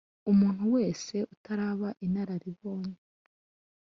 Umuntu wese utaraba inararibonye.